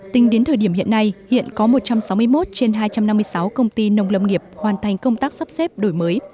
tính đến thời điểm hiện nay hiện có một trăm sáu mươi một trên hai trăm năm mươi sáu công ty nông lâm nghiệp hoàn thành công tác sắp xếp đổi mới